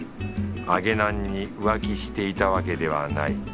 揚げナンに浮気していたわけではない。